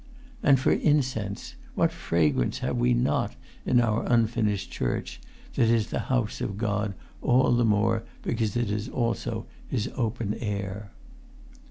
And for incense, what fragrance have we not, in our unfinished church, that is the House of God all the more because it is also His open air.